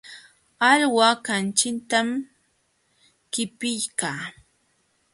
Alwa kamchitam qipiykaa.